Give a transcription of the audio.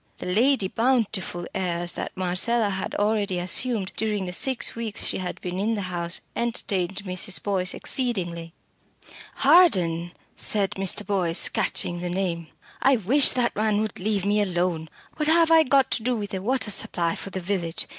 The Lady Bountiful airs that Marcella had already assumed during the six weeks she had been in the house entertained Mrs. Boyce exceedingly. "Harden!" said Mr. Boyce, catching the name. "I wish that man would leave me alone. What have I got to do with a water supply for the village?